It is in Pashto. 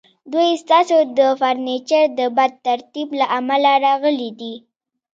دوی ستاسو د فرنیچر د بد ترتیب له امله راغلي دي